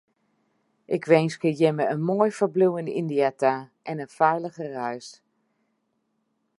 Ik winskje jimme in moai ferbliuw yn Yndia ta en in feilige reis.